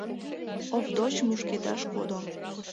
Овдоч мушкедаш кодо.